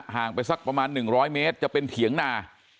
ห่างไปสักประมาณ๑๐๐เมตรจะเป็นเถียงนา